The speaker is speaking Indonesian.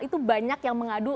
itu banyak yang mengadu